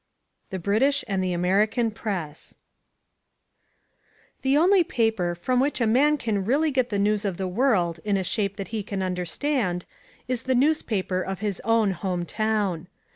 The British and the American Press THE only paper from which a man can really get the news of the world in a shape that he can understand is the newspaper of his own "home town."